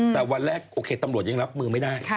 แต่วันแรกโอเคตำรวจยังรับมือไม่ได้